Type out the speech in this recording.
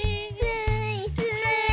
スーイスーイ。